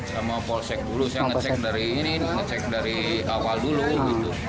sama polsek dulu saya ngecek dari ini ngecek dari awal dulu gitu